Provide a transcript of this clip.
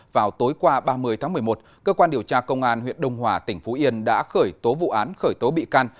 vào tối qua ba mươi tháng một mươi một cơ quan điều tra công an huyện đông hòa tỉnh phú yên đã khởi tố vụ án khởi tố bị can